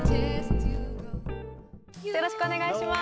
よろしくお願いします。